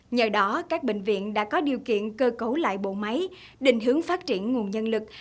nhờ đó các bệnh viện đã có điều kiện cơ cấu lại bộ máy định hướng phát triển nguồn nhân lực